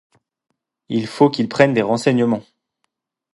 Il faut qu’il prenne des renseignements.